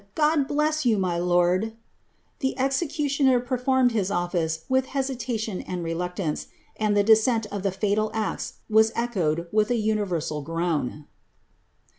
God bless you, my lonl V* The executioner perfonned hid ollice with hesitation and reluctance, and the descent of the fatal ixe was echoed with an universal groan.